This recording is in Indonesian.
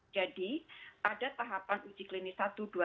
jadi ada tahapan uji klinis satu dua tiga